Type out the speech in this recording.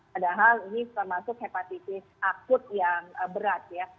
padahal ini termasuk hepatitis akut yang berat ya